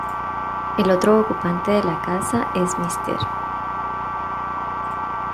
El otro ocupante de la casa es Mr.